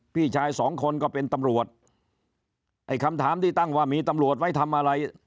พี่ชายสองคนก็เป็นตำรวจไอ้คำถามที่ตั้งว่ามีตำรวจไว้ทำอะไร